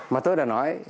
mà tôi đã nói